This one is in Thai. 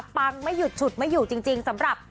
ไม่หยุดฉุดไม่อยู่จริงสำหรับ